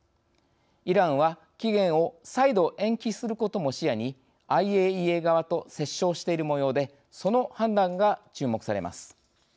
イランは期限を再度延期することも視野にＩＡＥＡ側と折衝しているもようでその判断が注目されます。